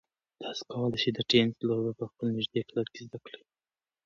تاسو کولای شئ چې د تېنس لوبه په خپل نږدې کلب کې زده کړئ.